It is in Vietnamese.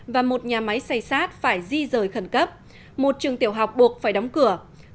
và một nhà máy xây xát phải di rời khẩn cấp một trường tiểu học buộc phải đóng cửa